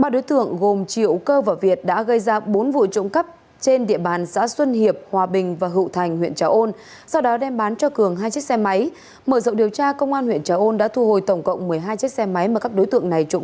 ba đối tượng gồm triệu cơ và việt đã gây ra bốn vụ trộm cắp trên địa bàn xã xuân hiệp hòa bình và hữu thành huyện trà ôn sau đó đem bán cho cường hai chiếc xe máy